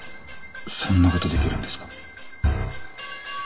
そんな事出来るんですか？